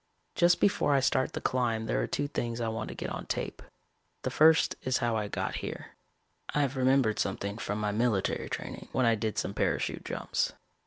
"Just before I start the climb there are two things I want to get on tape. The first is how I got here. I've remembered something from my military training, when I did some parachute jumps.